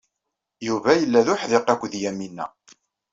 Yuba yella d uḥidiq akked Yamina.